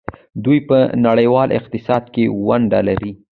دوی په نړیوال اقتصاد کې ونډه لري.